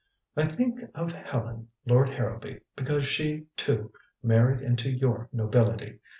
"I think of Helen, Lord Harrowby, because she, too, married into your nobility.